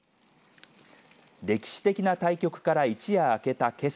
歴史的な対局から一夜明けたけさ。